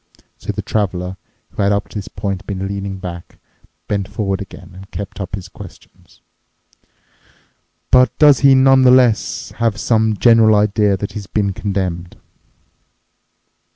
So the Traveler, who had up to this point been leaning back, bent forward again and kept up his questions, "But does he nonetheless have some general idea that he's been condemned?"